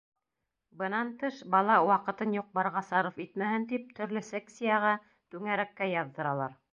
Бынан тыш, бала ваҡытын юҡ-барға сарыф итмәһен тип төрлө секцияға, түңәрәккә яҙҙыралар.